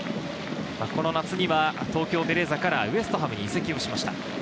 この夏には東京ベレーザからウェストハムに移籍しました。